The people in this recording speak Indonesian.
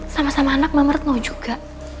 sama sama anak mama retno juga